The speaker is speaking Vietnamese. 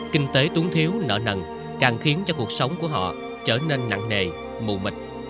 kinh tế tuấn thiếu nở nần càng khiến cho cuộc sống của họ trở nên nặng nề mù mịch